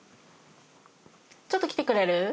ちょっと来てくれる？